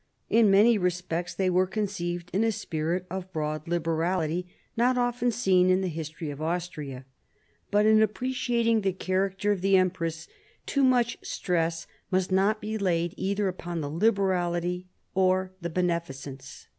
In many respects they were conceived in a spirit of broad liberality not often seen in the history of Austria. But in appreciating the character of the empress, too much stress must not be laid either upon the liberality or the beneficence.